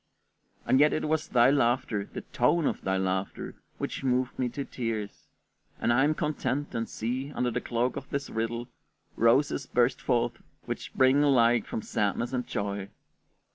And yet it was thy laughter, the tone of thy laughter, which moved me to tears; and I am content, and see, under the cloak of this riddle, roses burst forth which spring alike from sadness and joy.